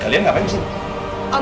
kalian ngapain disini